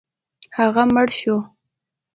هغه مړ شو.